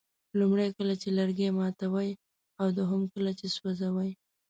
لومړی کله چې لرګي ماتوئ او دوهم کله چې سوځوئ.